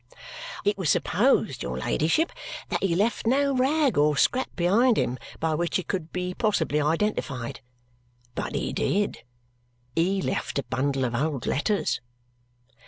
"It was supposed, your ladyship, that he left no rag or scrap behind him by which he could be possibly identified. But he did. He left a bundle of old letters."